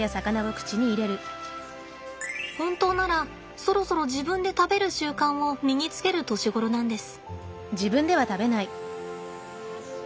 本当ならそろそろ自分で食べる習慣を身につける年頃なんです。